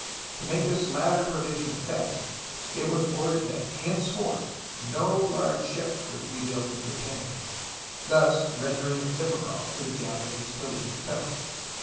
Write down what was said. To make this latter provision effective it was ordered that henceforth no large ships were to be built in Japan, thus rendering it difficult for the Japanese to leave the country.